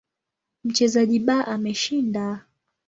Mchezaji B ameshinda.